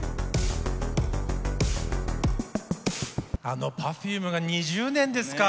あのＰｅｒｆｕｍｅが２０年ですか。